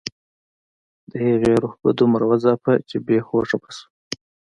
د هغې روح به دومره وځاپه چې بې هوښه به شوه